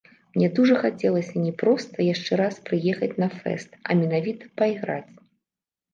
Мне дужа хацелася не проста яшчэ раз прыехаць на фэст, а менавіта пайграць.